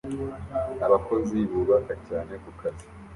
Abakozi bubaka cyane kukazi